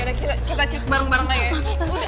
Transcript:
yaudah yaudah kita cek bareng bareng aja